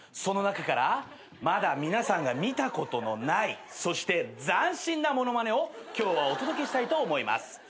その中からまだ皆さんが見たことのないそして斬新な物まねを今日はお届けしたいと思います。